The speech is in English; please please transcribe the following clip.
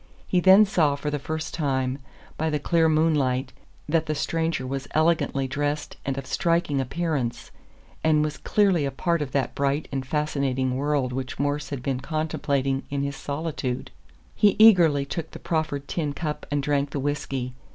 He then saw for the first time, by the clear moonlight, that the stranger was elegantly dressed and of striking appearance, and was clearly a part of that bright and fascinating world which Morse had been contemplating in his solitude. He eagerly took the proffered tin cup and drank the whisky.